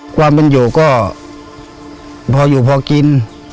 ความเป็นอยู่ก็พออยู่พอกิน